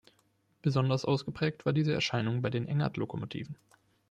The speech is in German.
Besonders ausgeprägt war diese Erscheinung bei den Engerth-Lokomotiven.